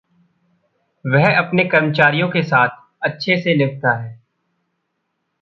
वह अपने कर्मचारियों के साथ अच्छे से निभता है।